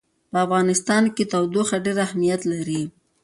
په افغانستان کې تودوخه ډېر اهمیت لري.